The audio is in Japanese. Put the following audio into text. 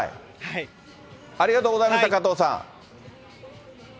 ありがとうございました、かとうさん。